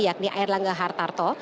yakni erlangga hartarto